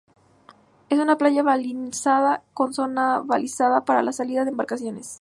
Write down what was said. Es una playa balizada, con zona balizada para la salida de embarcaciones.